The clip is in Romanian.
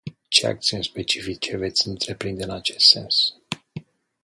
Ce acțiuni specifice veți întreprinde în acest sens?